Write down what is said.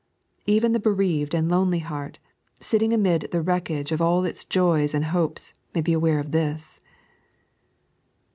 Even the bereaved and lonely heart, sitting amid the wreckage of all its joys and hopes, may be aware of this.